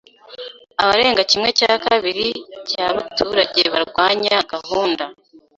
Abarenga kimwe cya kabiri cyabaturage barwanya gahunda.